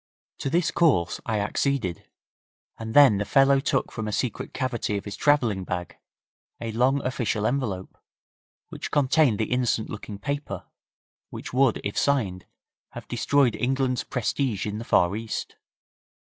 To this course I acceded, and then the fellow took from a secret cavity of his travelling bag a long official envelope, which contained the innocent looking paper, which would, if signed, have destroyed England's prestige in the Far East.